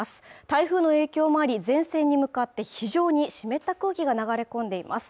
台風の影響もあり前線に向かって非常に湿った空気が流れ込んでいます